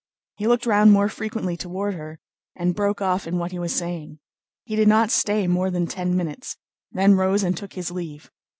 He looked round more frequently toward her, and broke off in what he was saying. He did not stay more than ten minutes, then rose and took his leave.